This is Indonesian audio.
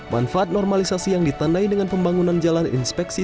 manfaat normalisasi yang ditandai dengan pembangunan jalan inspeksi